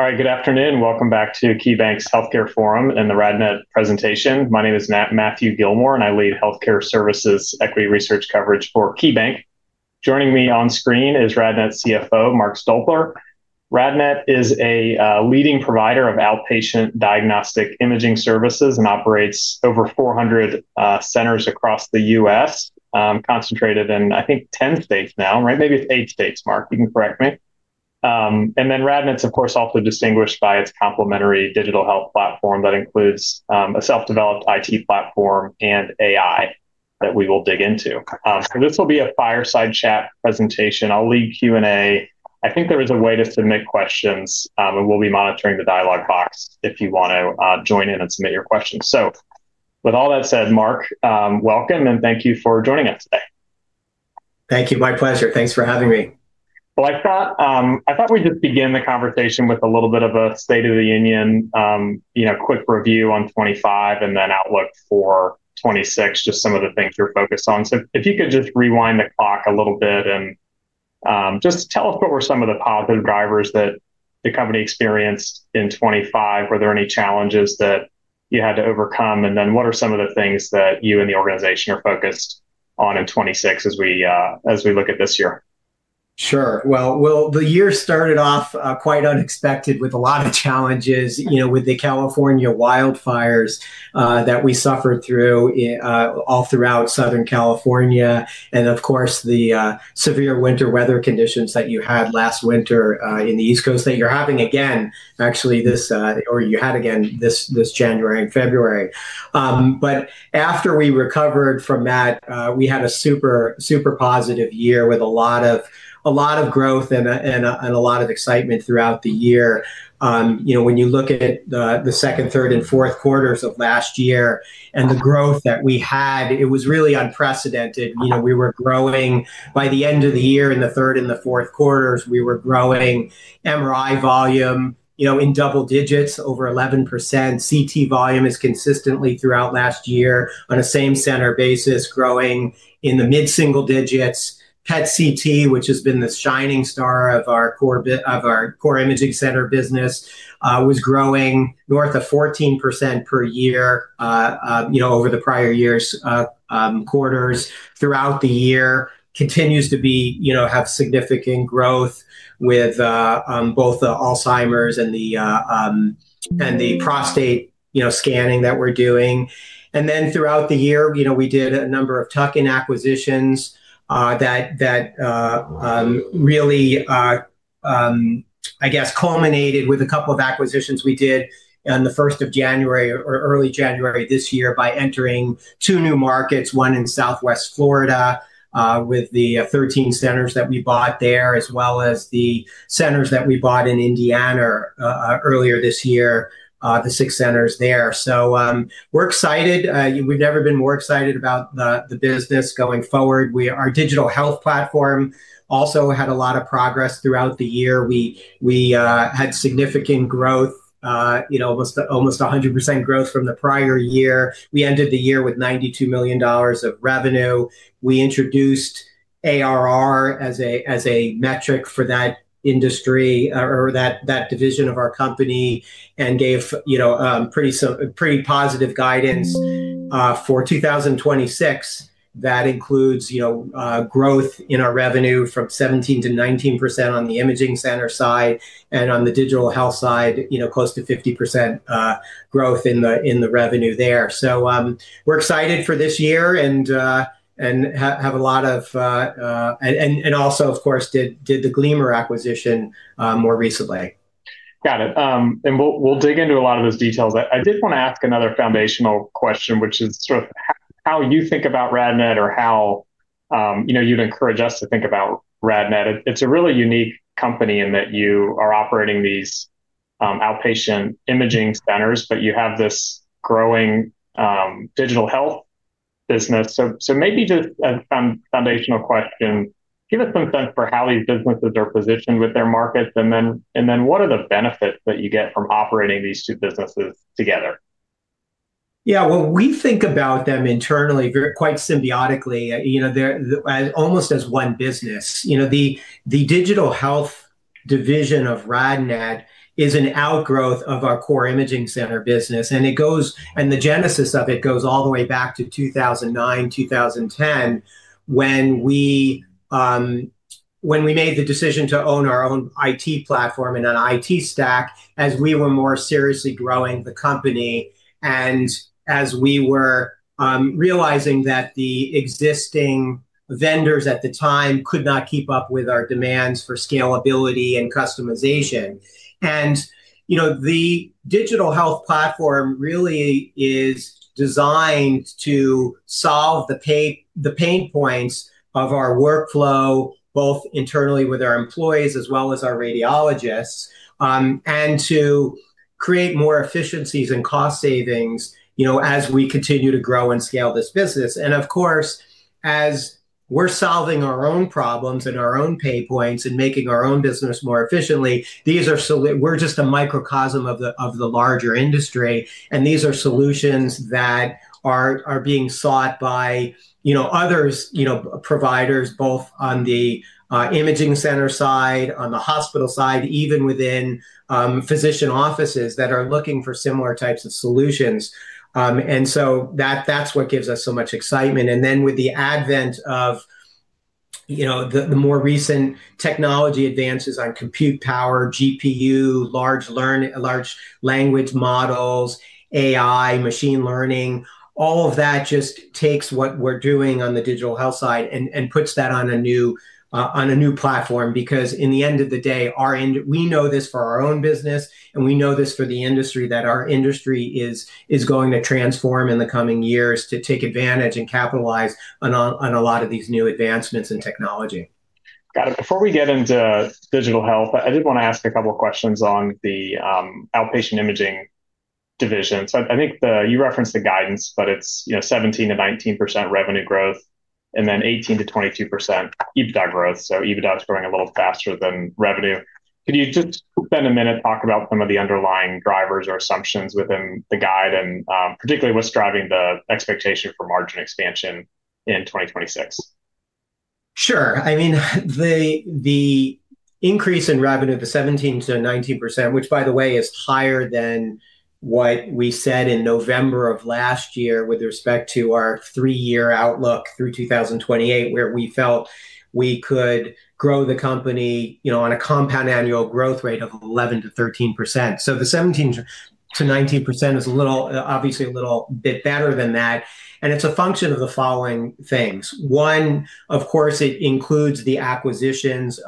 All right. Good afternoon. Welcome back to KeyBanc's Healthcare Forum and the RadNet presentation. My name is Matthew Gilmore, and I lead Healthcare Services Equity Research Coverage for KeyBanc. Joining me on screen is RadNet CFO, Mark Stolper. RadNet is a leading provider of outpatient diagnostic imaging services and operates over 400 centers across the U.S., concentrated in, I think, 10 states now, right? Maybe it's eight states, Mark. You can correct me. RadNet's, of course, also distinguished by its complementary digital health platform that includes a self-developed IT platform and AI that we will dig into. This will be a fireside chat presentation. I'll lead Q&A. I think there is a way to submit questions, and we'll be monitoring the dialogue box if you wanna join in and submit your questions. With all that said, Mark, welcome, and thank you for joining us today. Thank you. My pleasure. Thanks for having me. Well, I thought we'd just begin the conversation with a little bit of a state of the union, you know, quick review on 2025 and then outlook for 2026, just some of the things you're focused on. If you could just rewind the clock a little bit and just tell us what were some of the positive drivers that the company experienced in 2025. Were there any challenges that you had to overcome, and then what are some of the things that you and the organization are focused on in 2026 as we look at this year? Sure. Well, the year started off quite unexpected with a lot of challenges, you know, with the California wildfires that we suffered through all throughout Southern California and, of course, the severe winter weather conditions that you had last winter in the East Coast that you're having again actually this or you had again this January and February. After we recovered from that, we had a super positive year with a lot of growth and a lot of excitement throughout the year. You know, when you look at the second, third, and fourth quarters of last year and the growth that we had, it was really unprecedented. You know, we were growing by the end of the year in the third and the fourth quarters, we were growing MRI volume, you know, in double digits over 11%. CT volume is consistently throughout last year on a same center basis growing in the mid-single digits. PET-CT, which has been the shining star of our core imaging center business, was growing north of 14% per year, you know, over the prior years' quarters. Throughout the year continues to be, you know, have significant growth with both the Alzheimer's and the prostate, you know, scanning that we're doing. Throughout the year, you know, we did a number of tuck-in acquisitions, that really, I guess, culminated with a couple of acquisitions we did on the first of January or early January this year by entering two new markets, one in southwest Florida, with the 13 centers that we bought there, as well as the centers that we bought in Indiana, earlier this year, the six centers there. We're excited. We've never been more excited about the business going forward. Our digital health platform also had a lot of progress throughout the year. We had significant growth, you know, almost a 100% growth from the prior year. We ended the year with $92 million of revenue. We introduced ARR as a metric for that industry or that division of our company and gave pretty positive guidance for 2026. That includes growth in our revenue from 17%-19% on the imaging center side and on the digital health side close to 50% growth in the revenue there. We're excited for this year and have a lot of. Also, of course, did the Gleamer acquisition more recently. Got it. We'll dig into a lot of those details. I did wanna ask another foundational question, which is sort of how you think about RadNet or how, you know, you'd encourage us to think about RadNet. It's a really unique company in that you are operating these outpatient imaging centers, but you have this growing digital health business. Maybe just a foundational question, give us some sense for how these businesses are positioned with their markets, and then what are the benefits that you get from operating these two businesses together? Yeah. Well, we think about them internally quite symbiotically, you know, they're almost as one business. You know, the digital health division of RadNet is an outgrowth of our core imaging center business, and the genesis of it goes all the way back to 2009, 2010 when we made the decision to own our own IT platform and an IT stack as we were more seriously growing the company and as we were realizing that the existing vendors at the time could not keep up with our demands for scalability and customization. You know, the digital health platform really is designed to solve the pain points of our workflow, both internally with our employees as well as our radiologists, and to create more efficiencies and cost savings, you know, as we continue to grow and scale this business. Of course, we're solving our own problems and our own pain points and making our own business more efficiently. We're just a microcosm of the larger industry, and these are solutions that are being sought by, you know, others, you know, providers both on the imaging center side, on the hospital side, even within physician offices that are looking for similar types of solutions. That's what gives us so much excitement. With the advent of, you know, the more recent technology advances on compute power, GPU, large language models, AI, machine learning, all of that just takes what we're doing on the digital health side and puts that on a new platform because in the end of the day, we know this for our own business and we know this for the industry that our industry is going to transform in the coming years to take advantage and capitalize on a lot of these new advancements in technology. Got it. Before we get into digital health, I did wanna ask a couple questions on the outpatient imaging division. I think you referenced the guidance, but it's, you know, 17%-19% revenue growth and then 18%-22% EBITDA growth, so EBITDA is growing a little faster than revenue. Could you just spend a minute and talk about some of the underlying drivers or assumptions within the guide and particularly what's driving the expectation for margin expansion in 2026? Sure. I mean, the increase in revenue, the 17%-19%, which by the way is higher than what we said in November of last year with respect to our three-year outlook through 2028, where we felt we could grow the company, you know, on a compound annual growth rate of 11%-13%. The 17%-19% is a little obviously a little bit better than that, and it's a function of the following things. One, of course, it includes the acquisitions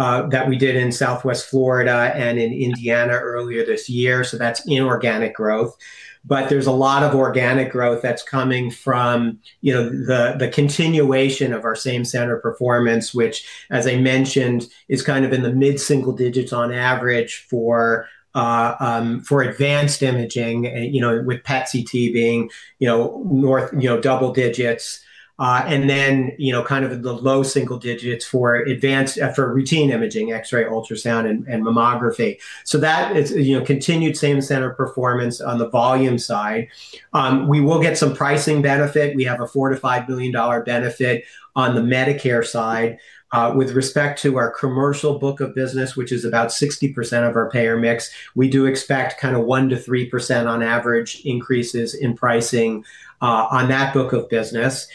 that we did in Southwest Florida and in Indiana earlier this year, so that's inorganic growth. There's a lot of organic growth that's coming from, you know, the continuation of our same center performance, which, as I mentioned, is kind of in the mid-single digits on average for advanced imaging, you know, with PET-CT being, you know, north, you know, double digits. And then, you know, kind of in the low single digits for routine imaging, X-ray, ultrasound, and mammography. That is, you know, continued same center performance on the volume side. We will get some pricing benefit. We have a $4 million-$5 million benefit on the Medicare side. With respect to our commercial book of business, which is about 60% of our payer mix, we do expect kind of 1%-3% on average increases in pricing on that book of business.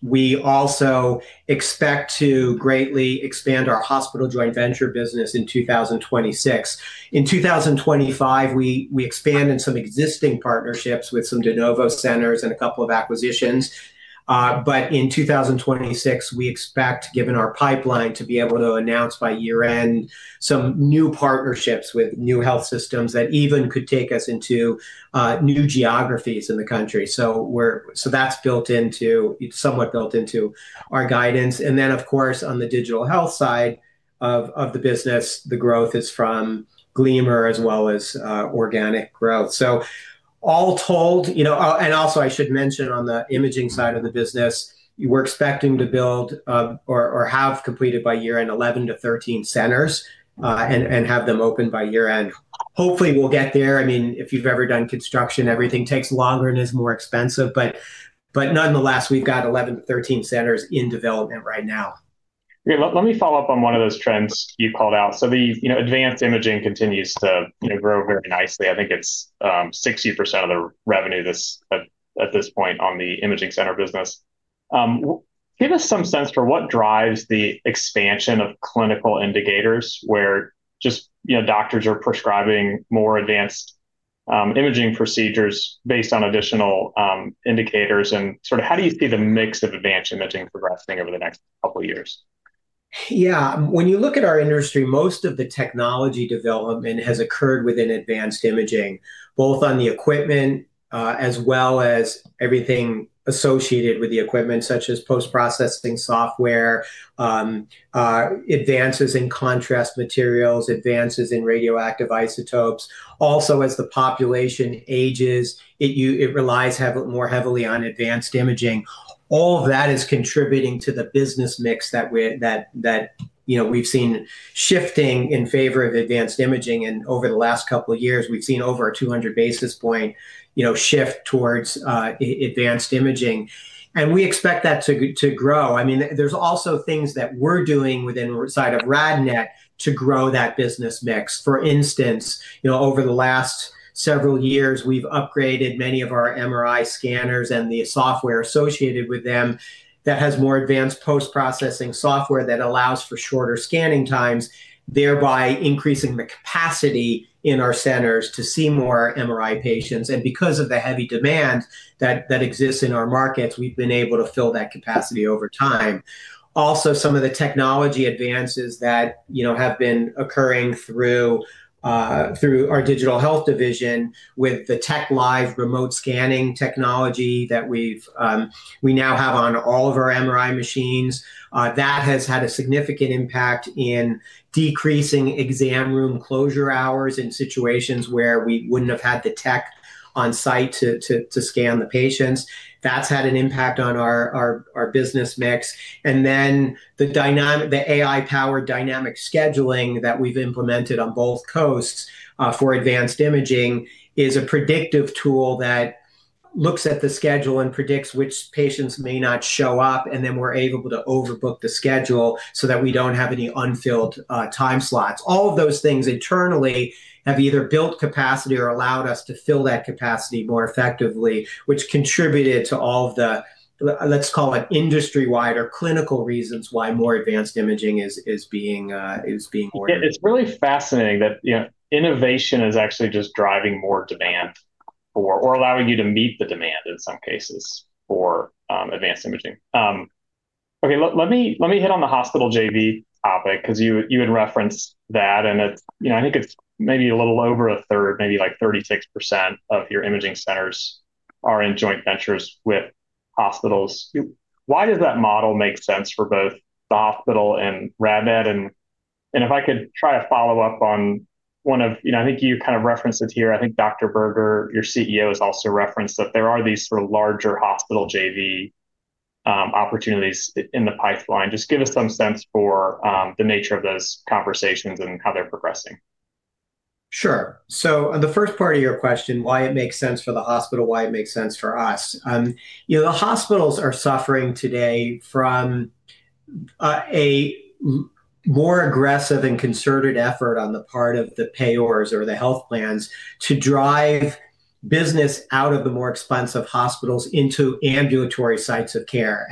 We also expect to greatly expand our hospital joint venture business in 2026. In 2025, we expanded some existing partnerships with some de novo centers and a couple of acquisitions. In 2026, we expect, given our pipeline, to be able to announce by year-end some new partnerships with new health systems that even could take us into new geographies in the country. That's built into, it's somewhat built into our guidance. On the digital health side of the business, the growth is from Gleamer as well as organic growth. All told, you know. Oh, also, I should mention on the imaging side of the business, we're expecting to build, or have completed by year-end 11-13 centers, and have them open by year-end. Hopefully, we'll get there. I mean, if you've ever done construction, everything takes longer and is more expensive, but nonetheless, we've got 11-13 centers in development right now. Yeah. Let me follow up on one of those trends you called out. The you know advanced imaging continues to you know grow very nicely. I think it's 60% of the revenue at this point on the imaging center business. Give us some sense for what drives the expansion of clinical indicators where just you know doctors are prescribing more advanced imaging procedures based on additional indicators and sort of how do you see the mix of advanced imaging progressing over the next couple years? Yeah. When you look at our industry, most of the technology development has occurred within advanced imaging, both on the equipment, as well as everything associated with the equipment such as post-processing software, advances in contrast materials, advances in radioactive isotopes. Also as the population ages, it relies more heavily on advanced imaging. All of that is contributing to the business mix that you know we've seen shifting in favor of advanced imaging. Over the last couple of years, we've seen over a 200 basis point, you know, shift towards advanced imaging, and we expect that to grow. I mean, there's also things that we're doing inside of RadNet to grow that business mix. For instance, you know, over the last several years, we've upgraded many of our MRI scanners and the software associated with them that has more advanced post-processing software that allows for shorter scanning times, thereby increasing the capacity in our centers to see more MRI patients. Because of the heavy demand that exists in our markets, we've been able to fill that capacity over time. Also, some of the technology advances that, you know, have been occurring through our digital health division with the TechLive remote scanning technology that we now have on all of our MRI machines, that has had a significant impact in decreasing exam room closure hours in situations where we wouldn't have had the tech on site to scan the patients. That's had an impact on our business mix. The AI-powered dynamic scheduling that we've implemented on both coasts for advanced imaging is a predictive tool that looks at the schedule and predicts which patients may not show up, and then we're able to overbook the schedule so that we don't have any unfilled time slots. All of those things internally have either built capacity or allowed us to fill that capacity more effectively, which contributed to all of the let's call it industry-wide or clinical reasons why more advanced imaging is being ordered. Yeah. It's really fascinating that, you know, innovation is actually just driving more demand or allowing you to meet the demand in some cases for advanced imaging. Okay. Let me hit on the hospital JV topic because you had referenced that and it's. You know, I think it's maybe a little over a third, maybe like 36% of your imaging centers are in joint ventures with hospitals. Why does that model make sense for both the hospital and RadNet? If I could try to follow up on one of. You know, I think you kind of referenced it here. I think Howard Berger, your CEO, has also referenced that there are these sort of larger hospital JV opportunities in the pipeline. Just give us some sense for the nature of those conversations and how they're progressing. Sure. On the first part of your question, why it makes sense for the hospital, why it makes sense for us, you know, the hospitals are suffering today from a more aggressive and concerted effort on the part of the payers or the health plans to drive business out of the more expensive hospitals into ambulatory sites of care.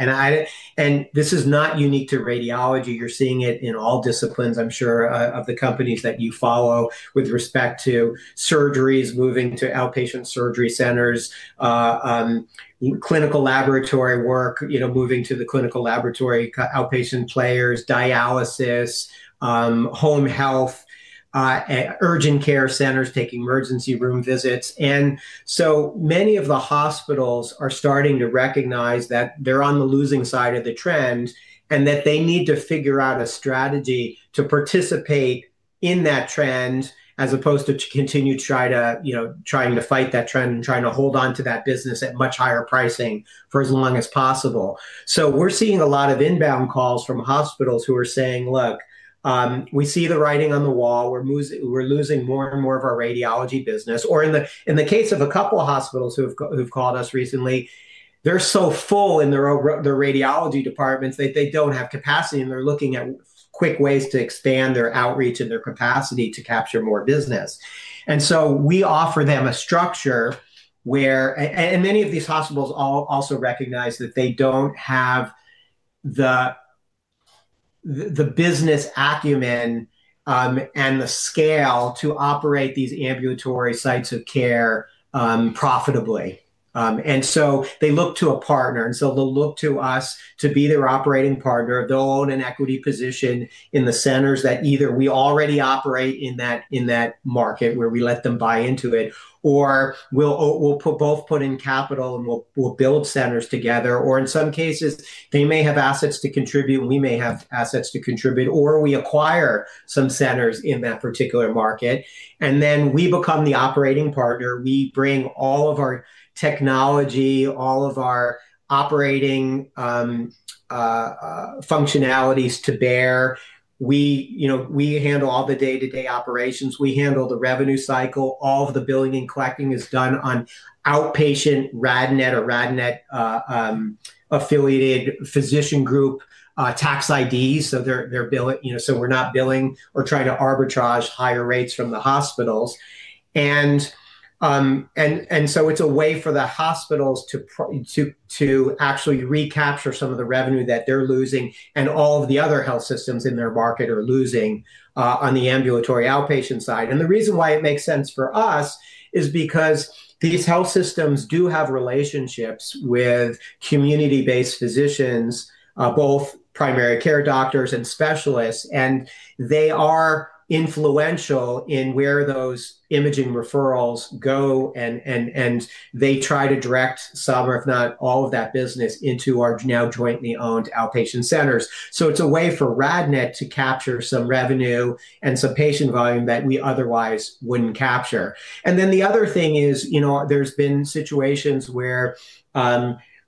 This is not unique to radiology. You're seeing it in all disciplines, I'm sure, of the companies that you follow with respect to surgeries moving to outpatient surgery centers, clinical laboratory work, you know, moving to the clinical laboratory outpatient players, dialysis, home health, urgent care centers taking emergency room visits. Many of the hospitals are starting to recognize that they're on the losing side of the trend and that they need to figure out a strategy to participate in that trend as opposed to continue to try to, you know, trying to fight that trend and trying to hold onto that business at much higher pricing for as long as possible. We're seeing a lot of inbound calls from hospitals who are saying, "Look, we see the writing on the wall. We're losing more and more of our radiology business." Or in the case of a couple of hospitals who have called us recently, they're so full in their radiology departments they don't have capacity, and they're looking at quick ways to expand their outreach and their capacity to capture more business. Many of these hospitals also recognize that they don't have the business acumen and the scale to operate these ambulatory sites of care profitably. They look to a partner, and so they'll look to us to be their operating partner. They'll own an equity position in the centers that either we already operate in that market, where we let them buy into it or we'll both put in capital, and we'll build centers together. In some cases, they may have assets to contribute, and we may have assets to contribute, or we acquire some centers in that particular market, and then we become the operating partner. We bring all of our technology, all of our operating functionalities to bear. We, you know, we handle all the day-to-day operations. We handle the revenue cycle. All of the billing and collecting is done on outpatient RadNet or RadNet affiliated physician group tax IDs, so we're not billing or trying to arbitrage higher rates from the hospitals. It's a way for the hospitals to actually recapture some of the revenue that they're losing and all of the other health systems in their market are losing on the ambulatory outpatient side. The reason why it makes sense for us is because these health systems do have relationships with community-based physicians, both primary care doctors and specialists, and they are influential in where those imaging referrals go, and they try to direct some or if not all of that business into our now jointly owned outpatient centers. It's a way for RadNet to capture some revenue and some patient volume that we otherwise wouldn't capture. The other thing is, you know, there's been situations where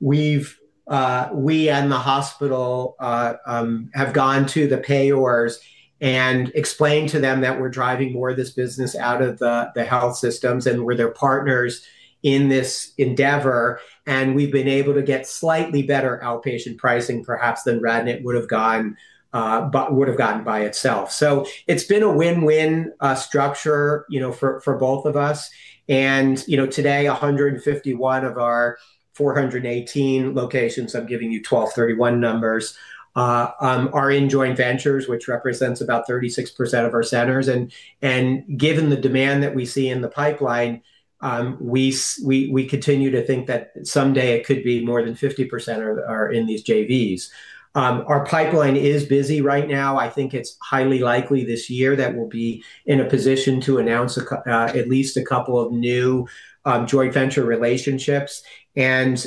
we've we and the hospital have gone to the payers and explained to them that we're driving more of this business out of the health systems and we're their partners in this endeavor, and we've been able to get slightly better outpatient pricing perhaps than RadNet would've gotten by itself. It's been a win-win structure, you know, for both of us, and you know, today 151 of our 418 locations, I'm giving you 12/31 numbers, are in joint ventures, which represents about 36% of our centers. Given the demand that we see in the pipeline, we continue to think that someday it could be more than 50% are in these JVs. Our pipeline is busy right now. I think it's highly likely this year that we'll be in a position to announce at least a couple of new joint venture relationships, and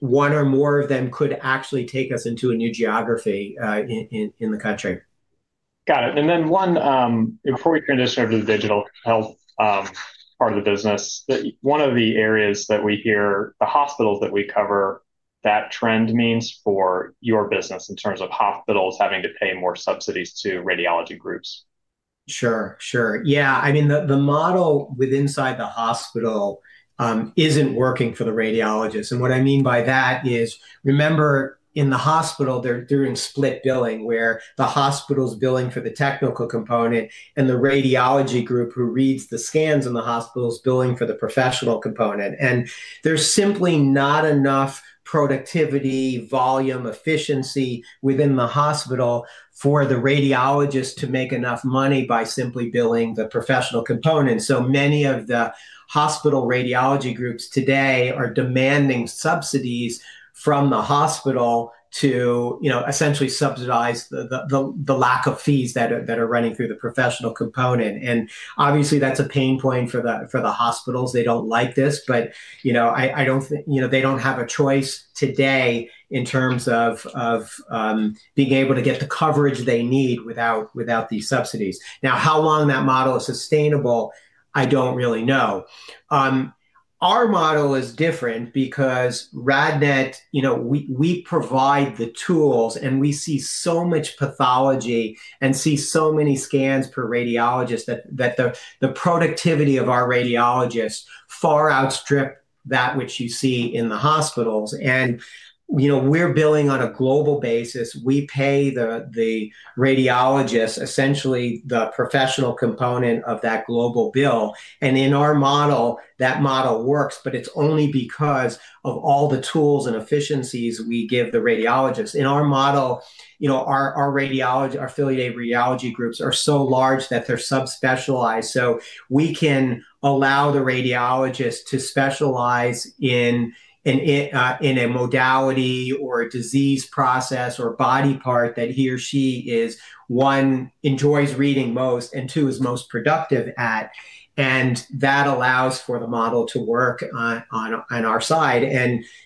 one or more of them could actually take us into a new geography in the country. Got it. One, before we transition over to the digital health part of the business, one of the areas that we hear from the hospitals that we cover that trend means for your business in terms of hospitals having to pay more subsidies to radiology groups. Sure. Yeah, I mean, the model within the hospital isn't working for the radiologist. What I mean by that is, remember, in the hospital, they're doing split billing, where the hospital's billing for the technical component and the radiology group who reads the scans in the hospital is billing for the professional component. There's simply not enough productivity, volume, efficiency within the hospital for the radiologist to make enough money by simply billing the professional component. Many of the hospital radiology groups today are demanding subsidies from the hospital to, you know, essentially subsidize the lack of fees that are running through the professional component. Obviously, that's a pain point for the hospitals. They don't like this, but, you know, I don't think. You know, they don't have a choice today in terms of being able to get the coverage they need without these subsidies. Now, how long that model is sustainable, I don't really know. Our model is different because RadNet, you know, we provide the tools, and we see so much pathology and see so many scans per radiologist that the productivity of our radiologists far outstrip that which you see in the hospitals. You know, we're billing on a global basis. We pay the radiologist essentially the professional component of that global bill. In our model, that model works, but it's only because of all the tools and efficiencies we give the radiologists. In our model, you know, our radiology, our affiliated radiology groups are so large that they're subspecialized, so we can allow the radiologist to specialize in a modality or a disease process or body part that he or she is, one, enjoys reading most, and two, is most productive at. That allows for the model to work on our side.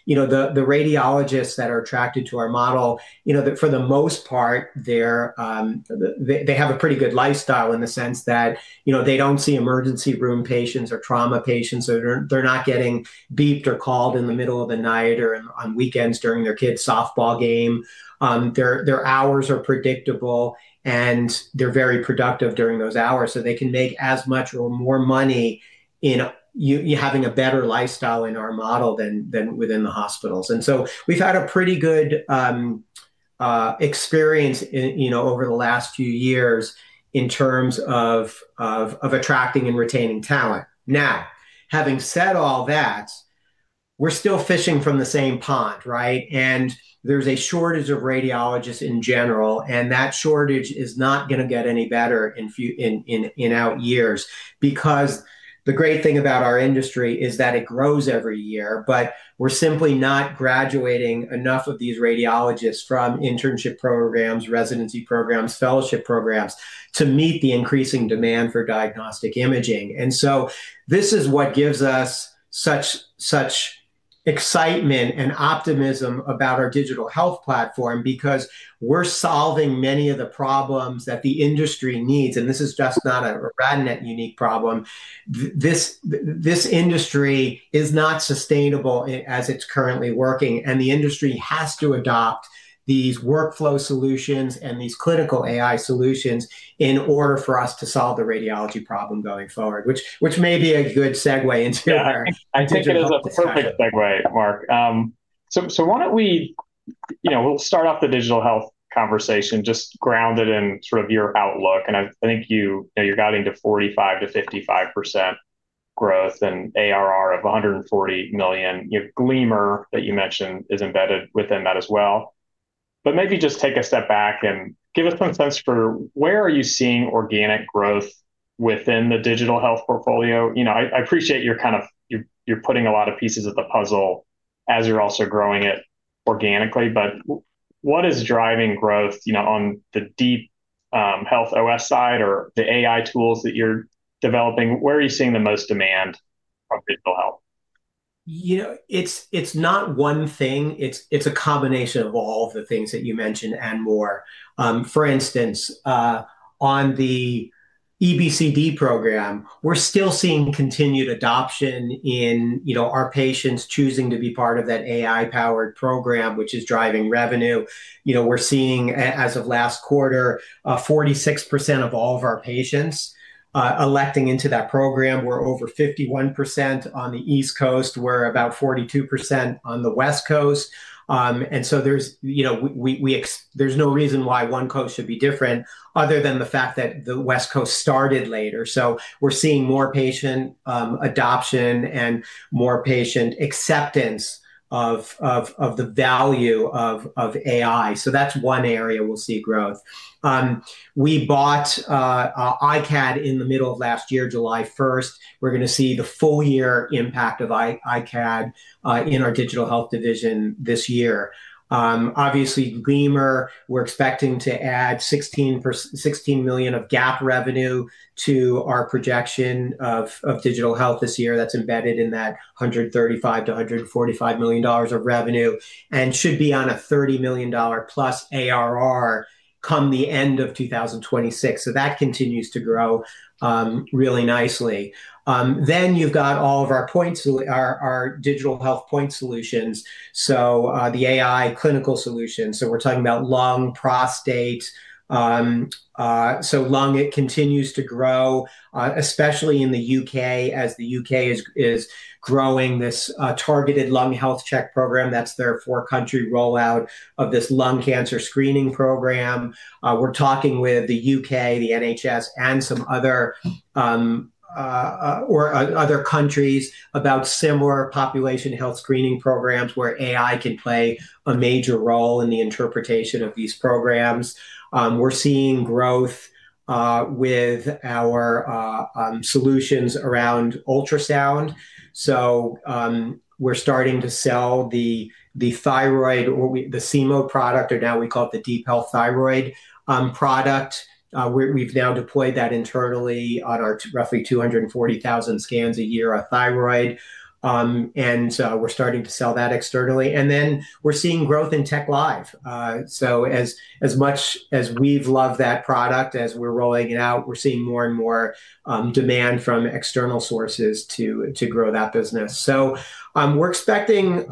You know, the radiologists that are attracted to our model, you know, for the most part, they have a pretty good lifestyle in the sense that, you know, they don't see emergency room patients or trauma patients. They're not getting beeped or called in the middle of the night or on weekends during their kid's softball game. Their hours are predictable, and they're very productive during those hours, so they can make as much or more money having a better lifestyle in our model than within the hospitals. We've had a pretty good experience, you know, over the last few years in terms of attracting and retaining talent. Now, having said all that, we're still fishing from the same pond, right? There's a shortage of radiologists in general, and that shortage is not gonna get any better in out years. Because the great thing about our industry is that it grows every year, but we're simply not graduating enough of these radiologists from internship programs, residency programs, fellowship programs, to meet the increasing demand for diagnostic imaging. This is what gives us such excitement and optimism about our digital health platform because we're solving many of the problems that the industry needs, and this is just not a RadNet unique problem. This industry is not sustainable as it's currently working, and the industry has to adopt these workflow solutions and these clinical AI solutions in order for us to solve the radiology problem going forward. Which may be a good segue into our digital health side. Yeah. I take it as a perfect segue, Mark. Why don't we, you know, we'll start off the digital health conversation just grounded in sort of your outlook. I think you know you're guiding to 45%-55% growth and ARR of $140 million. You know, Gleamer that you mentioned is embedded within that as well. Maybe just take a step back and give us some sense for where are you seeing organic growth within the digital health portfolio? You know, I appreciate you're kind of putting a lot of pieces of the puzzle as you're also growing it organically. What is driving growth, you know, on the DeepHealth OS side or the AI tools that you're developing? Where are you seeing the most demand from digital health? You know, it's not one thing. It's a combination of all of the things that you mentioned and more. For instance, on the EBCD program, we're still seeing continued adoption in, you know, our patients choosing to be part of that AI-powered program, which is driving revenue. You know, we're seeing as of last quarter, 46% of all of our patients electing into that program. We're over 51% on the East Coast. We're about 42% on the West Coast. There's, you know, no reason why one coast should be different other than the fact that the West Coast started later. We're seeing more patient adoption and more patient acceptance of the value of AI. That's one area we'll see growth. We bought iCAD in the middle of last year, July first. We're gonna see the full year impact of iCAD in our digital health division this year. Obviously, Gleamer, we're expecting to add $16 million of GAAP revenue to our projection of digital health this year. That's embedded in that $135 million-$145 million of revenue and should be on a $30 million-plus ARR come the end of 2026. That continues to grow really nicely. Then you've got all of our digital health point solutions, the AI clinical solutions. We're talking about lung, prostate. Lung, it continues to grow, especially in the U.K. as the U.K. is growing this targeted lung health check program. That's their four-country rollout of this lung cancer screening program. We're talking with the U.K., the NHS, and some other countries about similar population health screening programs where AI can play a major role in the interpretation of these programs. We're seeing growth with our solutions around ultrasound. We're starting to sell the thyroid or the See-Mode product, or now we call it the DeepHealth Thyroid product. We've now deployed that internally on our roughly 240,000 scans a year of thyroid. We're starting to sell that externally. We're seeing growth in TechLive. As much as we've loved that product as we're rolling it out, we're seeing more and more demand from external sources to grow that business. We're expecting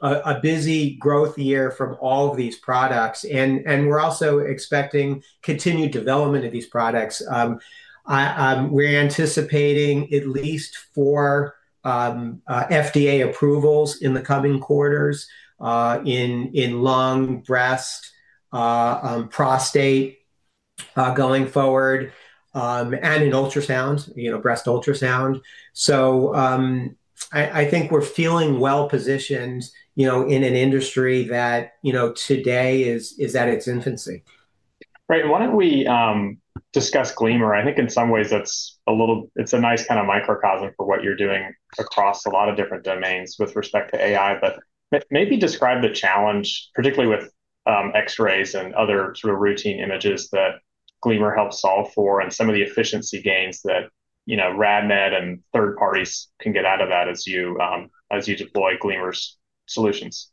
a busy growth year from all of these products and we're also expecting continued development of these products. We're anticipating at least four FDA approvals in the coming quarters in lung, breast, prostate going forward, and in ultrasound, you know, breast ultrasound. I think we're feeling well-positioned, you know, in an industry that today is at its infancy. Right. Why don't we discuss Gleamer? I think in some ways that's a little, it's a nice kind of microcosm for what you're doing across a lot of different domains with respect to AI. Maybe describe the challenge, particularly with X-rays and other sort of routine images that Gleamer helps solve for and some of the efficiency gains that, you know, RadNet and third parties can get out of that as you deploy Gleamer's solutions.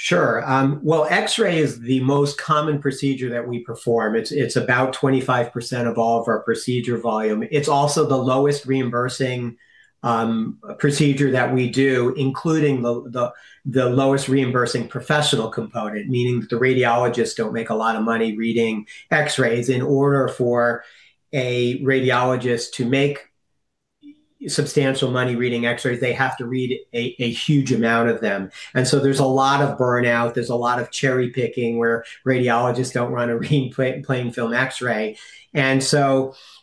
Sure. Well, X-ray is the most common procedure that we perform. It's about 25% of all of our procedure volume. It's also the lowest reimbursing procedure that we do, including the lowest reimbursing professional component, meaning that the radiologists don't make a lot of money reading X-rays. In order for a radiologist to make substantial money reading X-rays, they have to read a huge amount of them. There's a lot of burnout, there's a lot of cherry-picking where radiologists don't want to read plain film X-ray.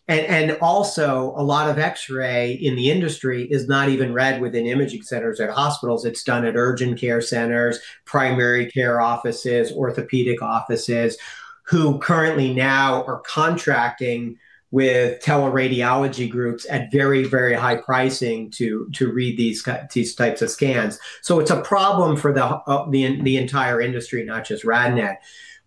Also a lot of X-ray in the industry is not even read within imaging centers at hospitals. It's done at urgent care centers, primary care offices, orthopedic offices, who currently now are contracting with teleradiology groups at very, very high pricing to read these types of scans. It's a problem for the entire industry, not just RadNet.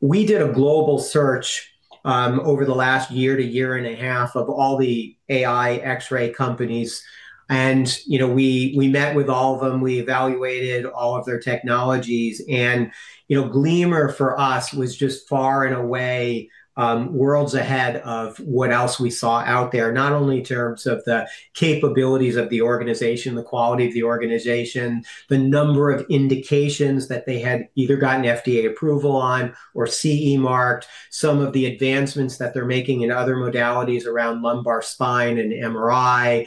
We did a global search over the last year to year and a half of all the AI X-ray companies and, you know, we met with all of them, we evaluated all of their technologies, and, you know, Gleamer for us was just far and away worlds ahead of what else we saw out there, not only in terms of the capabilities of the organization, the quality of the organization, the number of indications that they had either gotten FDA approval on or CE marking, some of the advancements that they're making in other modalities around lumbar spine and MRI,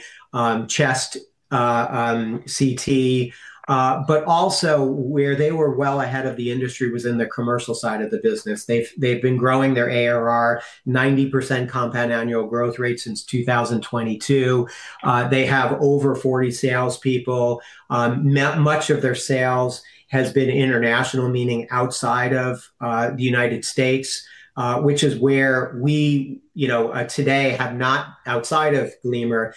chest, CT. But also where they were well ahead of the industry was in the commercial side of the business. They've been growing their ARR 90% compound annual growth rate since 2022. They have over 40 salespeople. Much of their sales has been international, meaning outside of the United States, which is where we, you know, today have not outside of Gleamer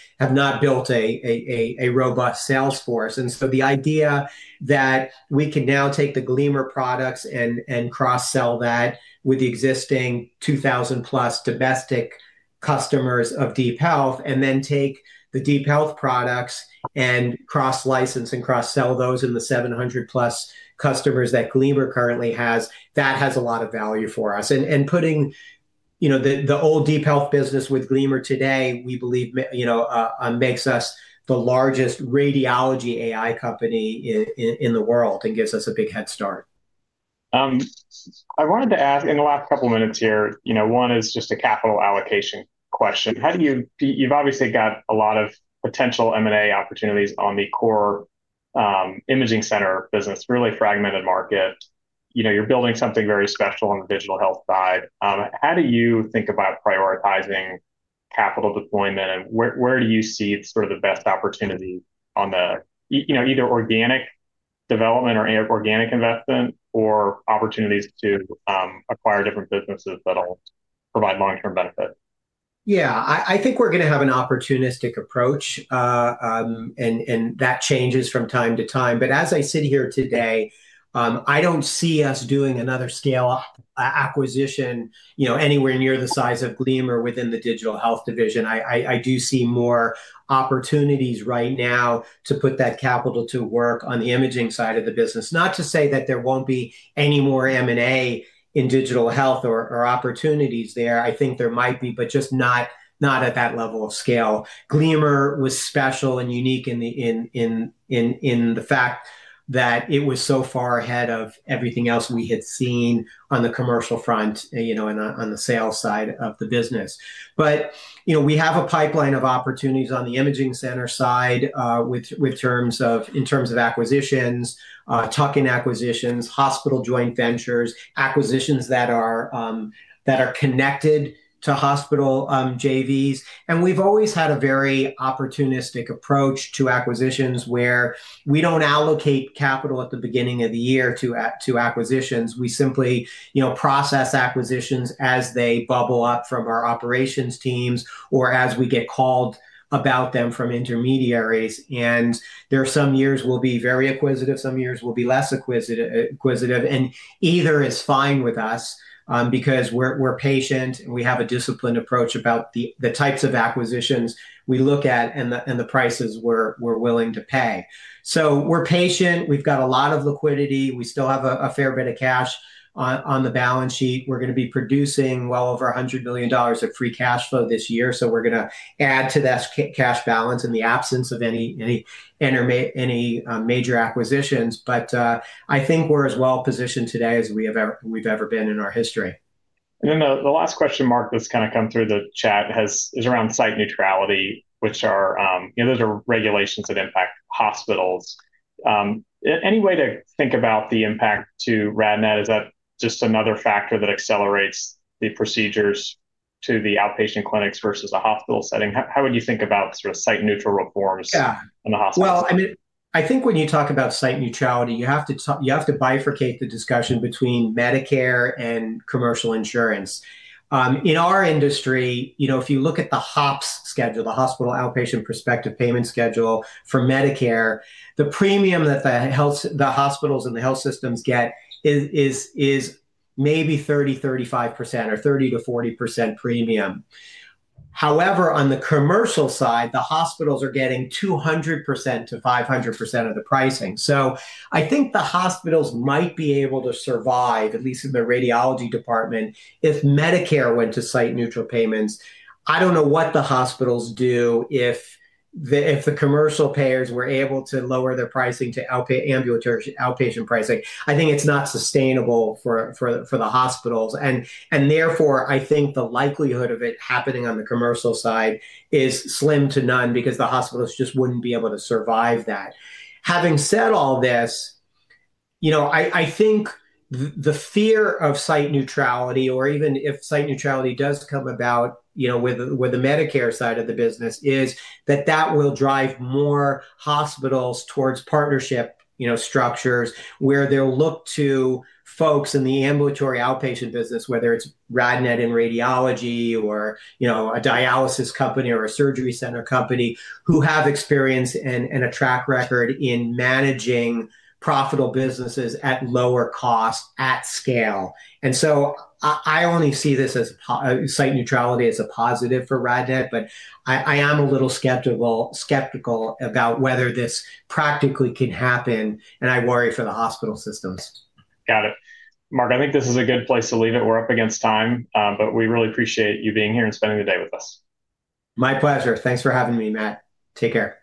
built a robust sales force. The idea that we can now take the Gleamer products and cross-sell that with the existing 2,000+ domestic customers of DeepHealth and then take the DeepHealth products and cross-license and cross-sell those in the 700+ customers that Gleamer currently has, that has a lot of value for us. Putting, you know, the old DeepHealth business with Gleamer today, we believe you know makes us the largest radiology AI company in the world and gives us a big head start. I wanted to ask in the last couple minutes here, you know, one is just a capital allocation question. You've obviously got a lot of potential M&A opportunities on the core imaging center business, really fragmented market. You know, you're building something very special on the digital health side. How do you think about prioritizing capital deployment and where do you see sort of the best opportunity on the, you know, either organic development or inorganic investment or opportunities to acquire different businesses that'll provide long-term benefit? Yeah. I think we're gonna have an opportunistic approach, and that changes from time to time. As I sit here today, I don't see us doing another scale acquisition, you know, anywhere near the size of Gleamer within the digital health division. I do see more opportunities right now to put that capital to work on the imaging side of the business. Not to say that there won't be any more M&A in digital health or opportunities there. I think there might be, but just not at that level of scale. Gleamer was special and unique in the fact that it was so far ahead of everything else we had seen on the commercial front, you know, and on the sales side of the business. You know, we have a pipeline of opportunities on the imaging center side, in terms of acquisitions, tuck-in acquisitions, hospital joint ventures, acquisitions that are connected to hospital JVs. We've always had a very opportunistic approach to acquisitions where we don't allocate capital at the beginning of the year to acquisitions. We simply, you know, process acquisitions as they bubble up from our operations teams or as we get called about them from intermediaries. There are some years we'll be very acquisitive, some years we'll be less acquisitive, and either is fine with us, because we're patient and we have a disciplined approach about the types of acquisitions we look at and the prices we're willing to pay. We're patient, we've got a lot of liquidity, we still have a fair bit of cash on the balance sheet. We're gonna be producing well over $100 million of free cash flow this year, we're gonna add to that cash balance in the absence of any major acquisitions. I think we're as well positioned today as we have ever been in our history. The last question, Mark, that's kind of come through the chat is around site neutrality, which are those regulations that impact hospitals. Any way to think about the impact to RadNet? Is that just another factor that accelerates the procedures to the outpatient clinics versus a hospital setting? How would you think about sort of site-neutral reforms? Yeah. In the hospital setting? Well, I mean, I think when you talk about site neutrality, you have to bifurcate the discussion between Medicare and commercial insurance. In our industry, you know, if you look at the HOPPS schedule, the hospital outpatient prospective payment schedule for Medicare, the premium that the health, the hospitals and the health systems get is maybe 30%-35% or 30%-40% premium. However, on the commercial side, the hospitals are getting 200%-500% of the pricing. I think the hospitals might be able to survive, at least in the radiology department, if Medicare went to site neutral payments. I don't know what the hospitals do if the commercial payers were able to lower their pricing to ambulatory or outpatient pricing. I think it's not sustainable for the hospitals. Therefore, I think the likelihood of it happening on the commercial side is slim to none because the hospitals just wouldn't be able to survive that. Having said all this, you know, I think the fear of site neutrality or even if site neutrality does come about, you know, with the Medicare side of the business, is that will drive more hospitals towards partnership, you know, structures where they'll look to folks in the ambulatory outpatient business, whether it's RadNet in radiology or, you know, a dialysis company or a surgery center company, who have experience and a track record in managing profitable businesses at lower cost at scale. I only see this as site neutrality as a positive for RadNet, but I am a little skeptical about whether this practically can happen, and I worry for the hospital systems. Got it. Mark, I think this is a good place to leave it. We're up against time, but we really appreciate you being here and spending the day with us. My pleasure. Thanks for having me, Matt. Take care.